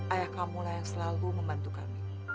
ayah kamu lah yang selalu membantu kami